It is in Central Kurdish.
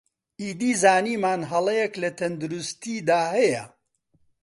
ئیدی زانیمان هەڵەیەک لە تەندروستیدا هەیە